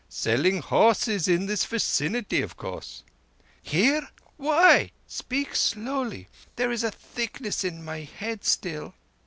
"Selling horses in this vi cinity, of course." "Here! Why? Speak slowly. There is a thickness in my head still."